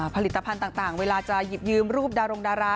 ผลิตภัณฑ์ต่างเวลาจะหยิบยืมรูปดารงดารา